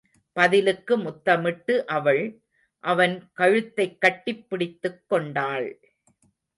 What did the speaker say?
பதிலுக்கு முத்தமிட்டு அவள், அவன் கழுத்தைக் கட்டிப் பிடித்துக் கொண்டாள்.